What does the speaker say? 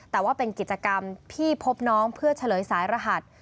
แต่ว่าเป็นกิจกรรมที่พบน้องเพื่อเฉลยสายรหัส